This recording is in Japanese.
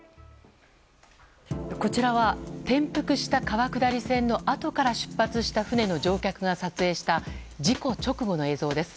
こちらは転覆した川下り船のあとから出発したあとの乗客が撮影した事故直後の映像です。